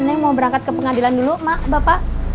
neng mau berangkat ke pengadilan dulu mak bapak